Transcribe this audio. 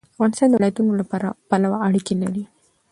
افغانستان د ولایتونو له پلوه اړیکې لري.